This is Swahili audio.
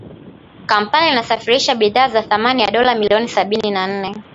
Kampala inasafirisha bidhaa za thamani ya dola milioni sabini na nne